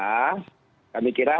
kami kira hal ini akan berjalan